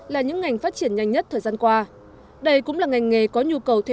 là những ngành phát triển nhanh nhất thời gian qua đây cũng là ngành nghề có nhu cầu thêm